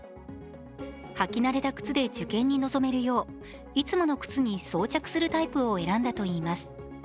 履き慣れた靴で受験に臨めるよういつもの靴に装着するタイプを選んだといいます。